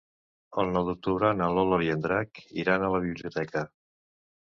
El nou d'octubre na Lola i en Drac iran a la biblioteca.